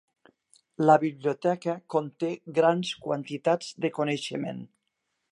La biblioteca conté grans quantitats de coneixement.